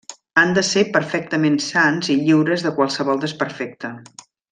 Han de ser perfectament sans i lliures de qualsevol desperfecte.